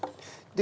で？